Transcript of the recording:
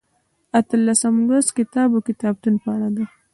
اتلسم لوست کتاب او کتابتون په اړه دی.